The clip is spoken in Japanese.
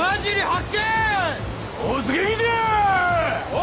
お！